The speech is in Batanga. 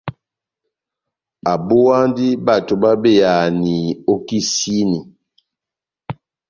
Abówandi bato babeyahani ó kisini.